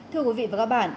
thưa quý vị và các bạn